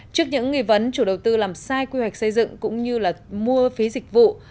trước những nghi vấn chủ đầu tư làm sai quy hoạch xây dựng cũng như mua phí dịch vụ